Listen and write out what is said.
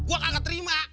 gue gak terima